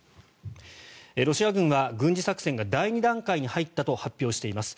ロシア軍は軍事作戦が第２段階に入ったと発表しています。